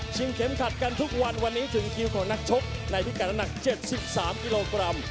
เข็มขัดกันทุกวันวันนี้ถึงคิวของนักชกในพิกัดน้ำหนัก๗๓กิโลกรัม